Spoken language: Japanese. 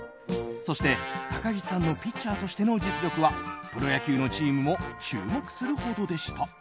そして、高岸さんのピッチャーとしての実力はプロ野球のチームも注目するほどでした。